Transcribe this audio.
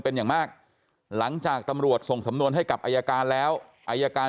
เป็นอย่างมากหลังจากตำรวจส่งสำนวนให้กับอายการแล้วอายการ